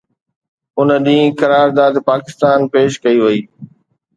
ان ڏينهن قرارداد پاڪستان پيش ڪئي وئي